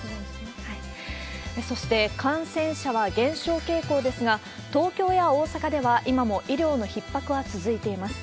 そして、感染者は減少傾向ですが、東京や大阪では今も医療のひっ迫は続いています。